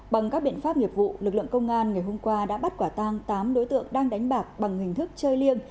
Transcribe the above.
bằng các biện pháp nghiệp vụ lực lượng công an ngày hôm qua đã bắt quả tang tám đối tượng đang đánh bạc bằng hình thức chơi liêng